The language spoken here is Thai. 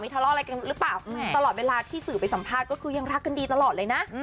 ทะเลาะอะไรกันหรือเปล่าตลอดเวลาที่สื่อไปสัมภาษณ์ก็คือยังรักกันดีตลอดเลยนะ